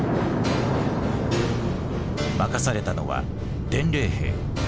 任されたのは伝令兵。